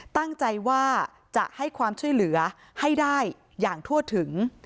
ตั้งใจว่าจะให้ความช่วยเหลือให้ได้อย่างทั่วถึง